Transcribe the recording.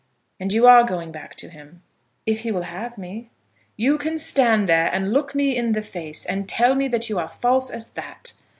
"And you are going back to him?" "If he will have me." "You can stand there and look me in the face and tell me that you are false as that!